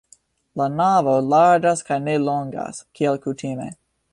La navo larĝas kaj ne longas, kiel kutime.